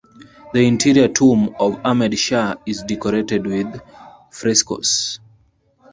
The interior tomb of Ahmed Shah is decorated with frescoes.